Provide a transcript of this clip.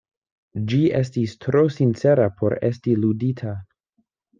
Ĝi estis tro sincera por esti ludita.